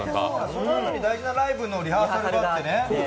そのあと、大事なライブのリハーサルがあってね。